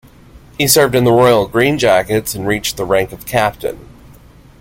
He served in the Royal Green Jackets and reached the rank of captain.